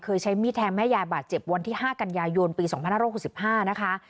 ใช้มีดแทงแม่ยายบาดเจ็บวันที่๕กันยายนปี๒๕๖๕นะคะ